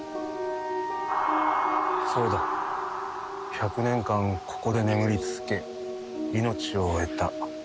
１００年間ここで眠り続け命を終えた。